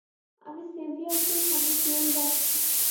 আমি সেভিয়ারদের সঙ্গে কিয়েল যাচ্ছি।